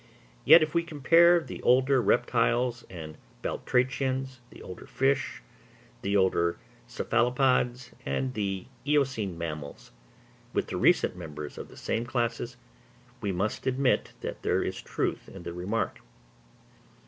Yet if we compare the older Reptiles and Batrachians, the older Fish, the older Cephalopods, and the eocene Mammals, with the recent members of the same classes, we must admit that there is truth in the remark.